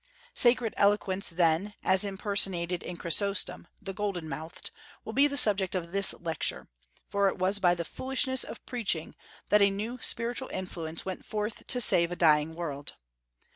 Sacred eloquence, then, as impersonated in Chrysostom, "the golden mouthed," will be the subject of this Lecture, for it was by the "foolishness of preaching" that a new spiritual influence went forth to save a dying world.